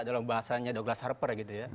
dalam bahasanya douglas harper